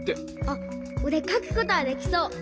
あっおれかくことはできそう！